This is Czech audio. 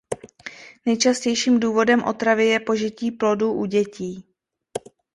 Nejčastějším důvodem otravy je požití plodů u dětí.